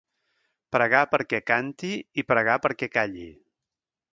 Pregar perquè canti i pregar perquè calli.